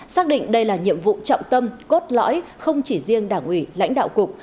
xác định đây là nhiệm vụ trọng tâm cốt lõi không chỉ riêng đảng ủy lãnh đạo cục